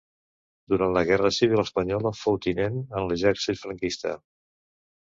Durant la Guerra Civil espanyola fou tinent en l'exèrcit franquista.